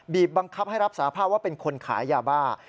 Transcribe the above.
บังคับให้รับสาภาพว่าเป็นคนขายยาบ้า